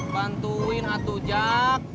bantuin atu jak